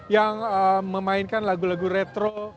yang memainkan lagu lagu retro